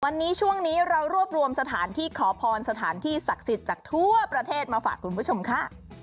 วันนี้ช่วงนี้เรารวบรวมสถานที่ขอพรสถานที่ศักดิ์สิทธิ์จากทั่วประเทศมาฝากคุณผู้ชมค่ะ